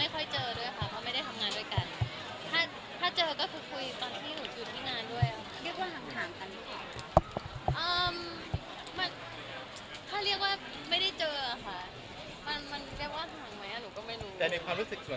คือไม่ค่อยเจอด้วยค่ะเพราะไม่ได้ทำงานด้วยกัน